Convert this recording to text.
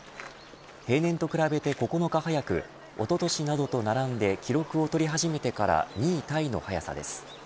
平年と比べて９日早くおととしなどと並んで記録を取り始めてから２位タイの早さです。